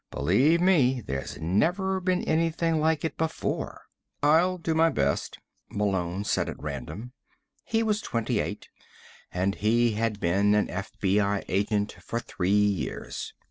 Believe me, there's never been anything like it before." "I'll do my best," Malone said at random. He was twenty eight, and he had been an FBI agent for three years.